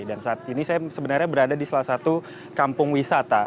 dan saat ini saya sebenarnya berada di salah satu kampung wisata